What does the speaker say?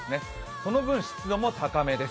その分、湿度も高めです。